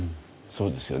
そうですよね。